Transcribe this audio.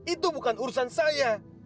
itu bukan urusan saya